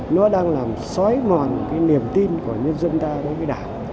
nó đang làm xói mòn cái niềm tin của nhân dân ta đối với đảng